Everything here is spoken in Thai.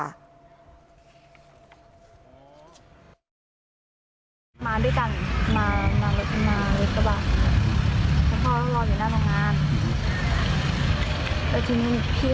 พี่เค้าก็เดินไป